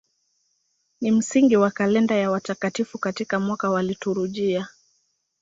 Ni msingi wa kalenda ya watakatifu katika mwaka wa liturujia.